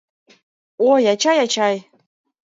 Ой, ачай, ачай